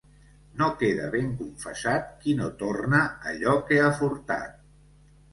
No queda ben confessat, qui no torna allò que ha furtat.